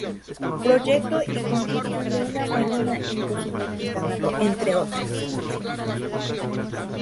Proyecto y Construcción de una Marina en Cozumel, Quintana Roo, entre otras.